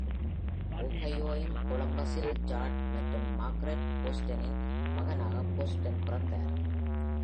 ஒஹையோவின் கொலம்பஸில் ஜார்ஜ் மற்றும் மார்கரெட் போஸ்டனின் மகனாகப் போஸ்டன் பிறந்தார்.